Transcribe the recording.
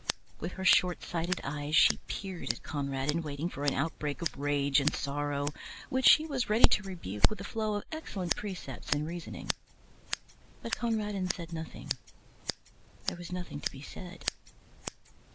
With her short sighted eyes she peered at Conradin, waiting for an outbreak of rage and sorrow, which she was ready to rebuke with a flow of excellent precepts and reasoning. But Conradin said nothing: there was nothing to be said.